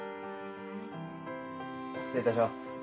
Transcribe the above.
失礼いたします。